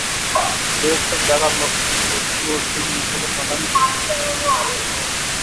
গৃহস্থের জাগার লক্ষণ দেখে চোর যেমন করে পালায় মধুসূদন তেমনি তাড়াতাড়ি পালাল।